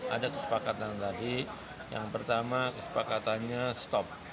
ada kesepakatan tadi yang pertama kesepakatannya stop